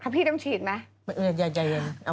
พี่ต้องฉีดไหม